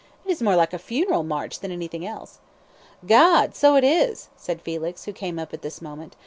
"It is more like a funeral march than anything else." "Gad, so it is," said Felix, who came up at this moment.